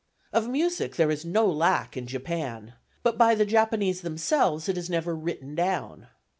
Of music there is no lack in Japan, but by the Japanese themselves it is never written down.